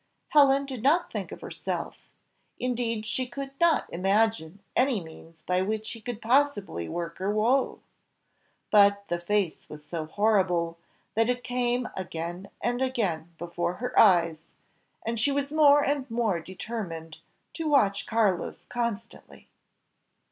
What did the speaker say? Helen did not think of herself indeed she could not imagine any means by which he could possibly work her woe; but the face was so horrible, that it came again and again before her eyes, and she was more and more determined to watch Carlos constantly.